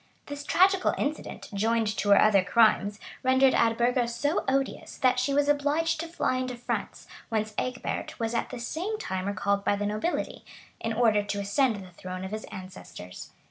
[] This tragical incident, joined to her other crimes, rendered Eadburga so odious, that she was obliged to fly into France; whence Egbert was at the same time recalled by the nobility, in order to ascend the throne of his ancestors.